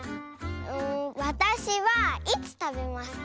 わたしはいつたべますか？